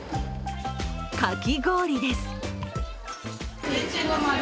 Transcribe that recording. かき氷です。